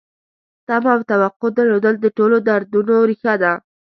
تمه او توقع درلودل د ټولو دردونو ریښه ده.